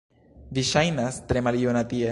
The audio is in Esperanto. Vi ŝajnas tre maljuna tie